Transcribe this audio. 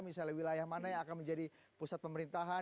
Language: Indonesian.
misalnya wilayah mana yang akan menjadi pusat pemerintahan